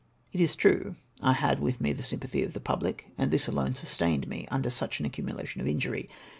It is true, I had with me the sympathy of the public, and this alone sustained me under such an accmuula tion of injury.